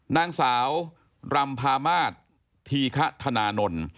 นางสาวรำพามาศธีคธนานนท์